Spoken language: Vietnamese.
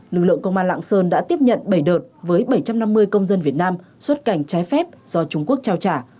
lực lượng công an lạng sơn đã tiếp nhận bảy đợt với bảy trăm năm mươi công dân việt nam xuất cảnh trái phép do trung quốc trao trả